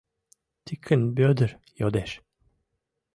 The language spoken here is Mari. — Тикын Вӧдыр йодеш.